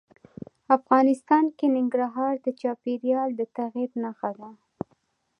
افغانستان کې ننګرهار د چاپېریال د تغیر نښه ده.